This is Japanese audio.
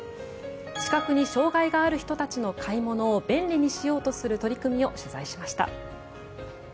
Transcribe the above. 視覚に障害がある人たちの買い物を便利にしようとする取り組みを取材しました。